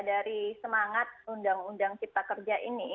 dari semangat undang undang cipta kerja ini